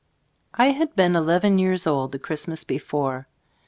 I had been eleven years old the Christmas before.